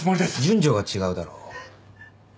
順序が違うだろう。